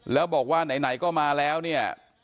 แล้วบอกว่าไหนก็มาแล้วเนี่ย